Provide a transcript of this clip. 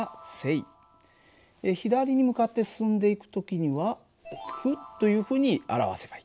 左に向かって進んでいく時には負というふうに表せばいい。